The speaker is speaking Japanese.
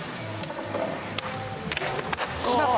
決まった！